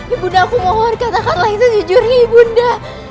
ibu anda aku mohon katakanlah yang sejujurnya ibu anda